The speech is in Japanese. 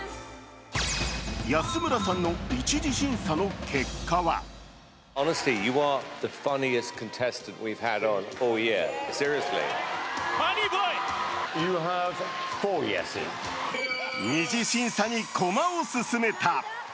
安村さんの１次審査の結果は２次審査に駒を進めた。